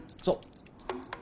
そう